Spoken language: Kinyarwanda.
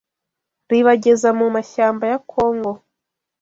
ribageza mu mashyamba ya Congo